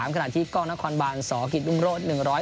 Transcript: ขณะที่กล้องนครบานสกิตรุ้มรส